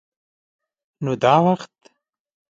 _نو دا وخت؟